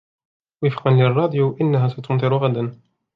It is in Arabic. وفقاً للراديو إنها ستمطر غداً.